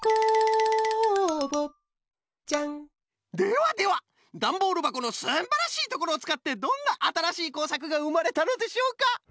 ではではダンボールばこのすんばらしいところをつかってどんなあたらしいこうさくがうまれたのでしょうか？